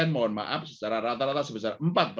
mohon maaf secara rata rata sebesar